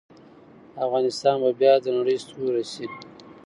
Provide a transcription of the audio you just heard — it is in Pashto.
افغانستان به بیا د نړۍ ستوری شي.